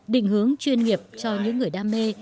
định hướng chuyên nghiệp cho những người đam mê